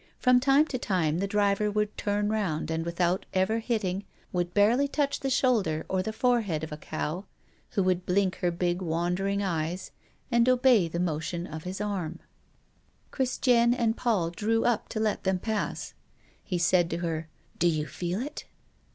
From time to time the driver would turn round, and, without ever hitting, would barely touch the shoulder or the forehead of a cow who would blink her big, wandering eyes, and obey the motion of his arm. Christiane and Paul drew up to let them pass. He said to her: "Do you feel it?"